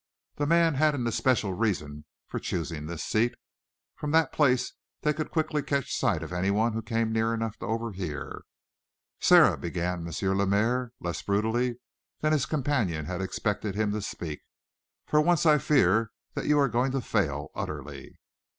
The man had an especial reason for choosing this seat. From that place they could quickly catch sight of anyone who came near enough to overhear. "Sara," began M. Lemaire, less brutally than his companion had expected him to speak, "for once I fear that you are going to fail utterly."